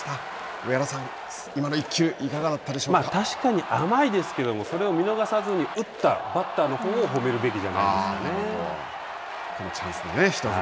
上原さん、今の１球確かに甘いですけどもそれを見逃さずに打ったバッターのほうを褒めるべきじゃこのチャンスでね。